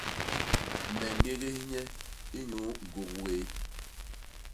Me ñégés nye inyuu ñgôk wéé.